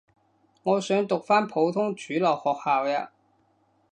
我想讀返普通主流學校呀